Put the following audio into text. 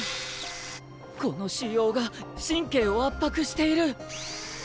この腫瘍が神経を圧迫している！